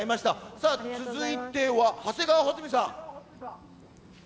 さあ、続いては長谷川穂積さん。